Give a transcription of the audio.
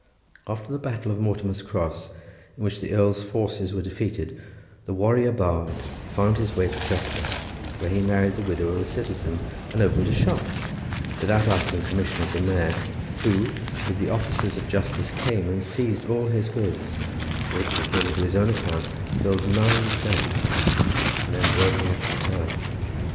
After the battle of Mortimer's Cross, in which the Earl's forces were defeated, the warrior bard found his way to Chester, where he married the widow of a citizen and opened a shop, without asking the permission of the mayor, who with the officers of justice came and seized all his goods, which, according to his own account, filled nine sacks, and then drove him out of the town.